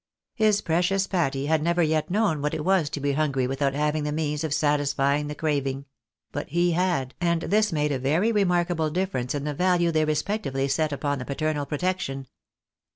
His precious Patty had never yet known what it was to be hungry without having the means of satisfying the craving ; but he had, and this made a very remarkable difference in the value they respectively set upon the paternal protection.